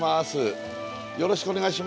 よろしくお願いします。